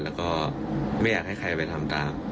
แล้วก็ไม่อยากให้ใครไปทำตาม